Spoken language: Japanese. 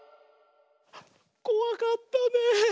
こわかったねえ。